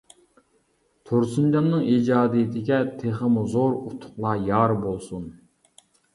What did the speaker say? تۇرسۇنجاننىڭ ئىجادىيىتىگە تېخىمۇ زور ئۇتۇقلار يار بولسۇن.